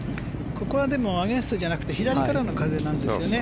ここはでもアゲンストじゃなくて左からの風なんですよね。